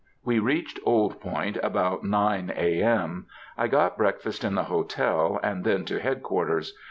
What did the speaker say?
We reached Old Point about nine, A. M. I got breakfast in the hotel, and then to Head quarters.